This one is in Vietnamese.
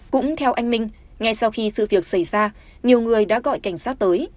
cũng theo anh minh ngay sau khi sự việc xảy ra nhiều người đã gọi cảnh sát tới